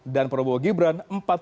dan peroboh gibran